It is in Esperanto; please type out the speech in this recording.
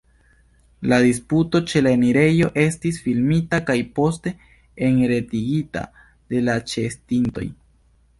La disputo ĉe la enirejo estis filmita kaj poste enretigita de la ĉeestintoj.